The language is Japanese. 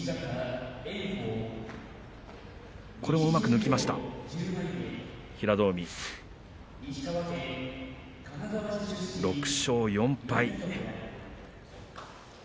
うまく抜けました、平戸海６勝４敗。